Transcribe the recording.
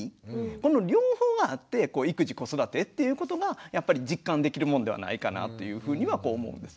この両方があって育児子育てっていうことがやっぱり実感できるものではないかなというふうには思うんです。